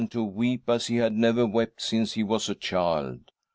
to weep as he had never wept since he was a child.